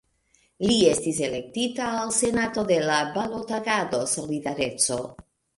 Li estis elektita al Senato de la Balot-Agado "Solidareco".